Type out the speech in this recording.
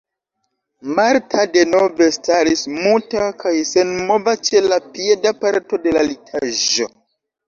Marta denove staris muta kaj senmova ĉe la pieda parto de la litaĵo.